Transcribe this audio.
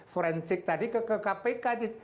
forensik tadi ke kpk